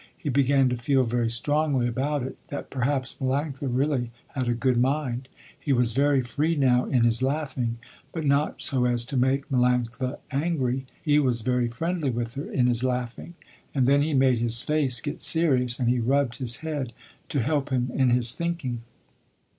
He began to feel very strongly about it that perhaps Melanctha really had a good mind. He was very free now in his laughing, but not so as to make Melanctha angry. He was very friendly with her in his laughing, and then he made his face get serious, and he rubbed his head to help him in his thinking.